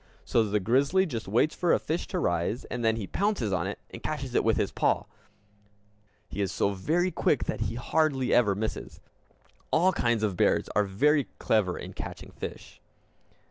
So the grizzly just waits for a fish to rise and then he pounces on it and catches it with his paw. He is so very quick that he hardly ever misses. All kinds of bears are very clever in catching fish.